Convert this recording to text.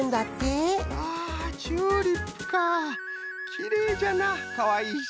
きれいじゃなかわいいし。